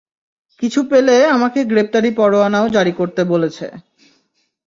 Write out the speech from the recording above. কিছু পেলে আমাকে গ্রেপ্তারি পরোয়ানাও জারি করতে বলেছে।